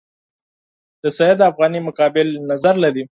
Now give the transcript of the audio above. د سید افغاني مقابل نظر لري.